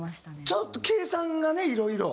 ちゃんと計算がねいろいろ。